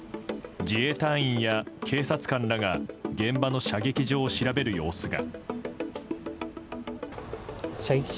自衛隊員や警察官らが現場の射撃場を調べる様子が。